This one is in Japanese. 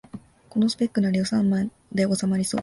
このスペックなら予算内でおさまりそう